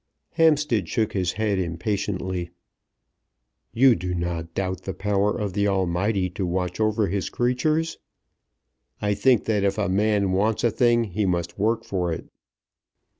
Hampstead shook his head impatiently. "You do not doubt the power of the Almighty to watch over His creatures?" "I think that if a man wants a thing he must work for it."